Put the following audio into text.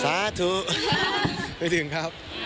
สาธุไม่ถึงครับ